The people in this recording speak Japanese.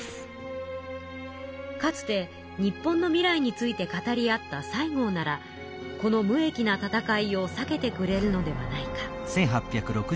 かつて日本の未来について語り合った西郷ならこの無益な戦いをさけてくれるのではないか。